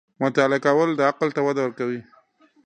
• مطالعه کول، د عقل ته وده ورکوي.